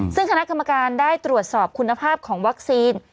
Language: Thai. ซึ่งคณะกรรมการได้ตรวจสอบคุณภาพของวัคซีน